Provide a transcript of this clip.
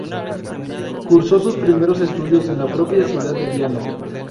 Cursó sus primeros estudios en la propia ciudad de Viana.